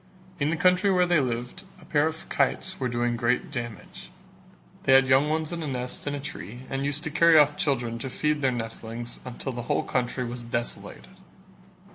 In the country where they lived, a pair of kites were doing great damage: they had young ones in a nest in a tree and used to carry off children to feed their nestlings until the whole country was desolated.